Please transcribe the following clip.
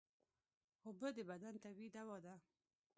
اوبه د بدن طبیعي دوا ده